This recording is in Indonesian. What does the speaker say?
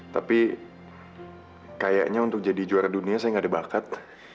tapi kayaknya untuk jadi juara dunia saya gak ada bakat